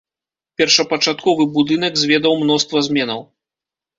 Першапачатковы будынак зведаў мноства зменаў.